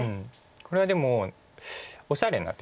これはでもおしゃれな手です。